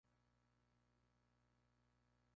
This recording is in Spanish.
Se cree que se hereda según un patrón autosómico recesivo.